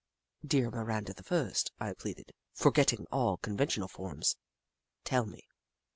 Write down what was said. " Dear Miranda the First," I pleaded, for getting all conventional forms, " tell me